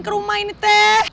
kerumah ini teh